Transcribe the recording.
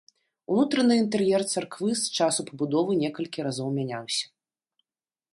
Унутраны інтэр'ер царквы з часу пабудовы некалькі разоў мяняўся.